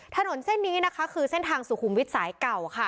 ถนนเส้นนี้นะคะคือเส้นทางสุขุมวิทย์สายเก่าค่ะ